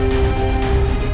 saya akan keluar